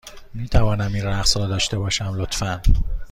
می توانم این رقص را داشته باشم، لطفا؟